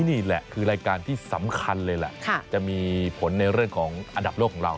นี่แหละคือรายการที่สำคัญเลยแหละจะมีผลในเรื่องของอันดับโลกของเรา